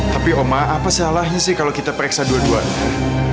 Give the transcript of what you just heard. tapi oma apa salahnya sih kalau kita pereksa dua duanya